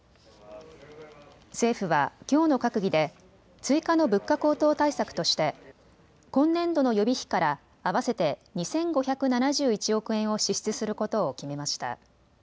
政府はきょうの閣議で追加の物価高騰対策として今年度の予備費から合わせて２５７１億円を支出することを決めました。